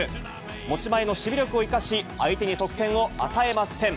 持ち前の守備力を生かし、相手に得点を与えません。